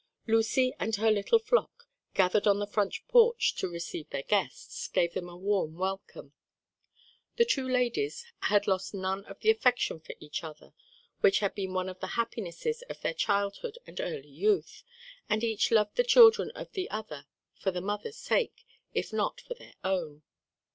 Lucy and her little flock, gathered on the front porch to receive their guests, gave them a warm welcome. The two ladies had lost none of the affection for each other which had been one of the happinesses of their childhood and early youth, and each loved the children of the other for the mother's sake if not for their own.